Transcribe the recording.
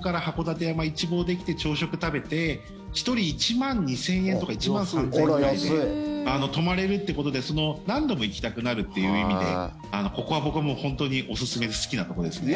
函館山、一望できて朝食食べて１人１万２０００円とか１万３０００円ぐらいで泊まれるってことで何度も行きたくなるという意味でここは僕はもう本当におすすめで好きなところですね。